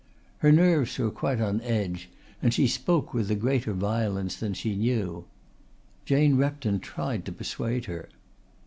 Her nerves were quite on edge and she spoke with a greater violence than she knew. Jane Repton tried to persuade her.